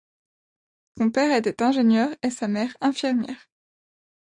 Son père était ingénieur et sa mère infirmière.